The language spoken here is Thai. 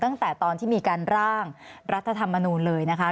ตั้งแต่ตอนที่มีการร่างรัฐธรรมนูลเลยนะคะ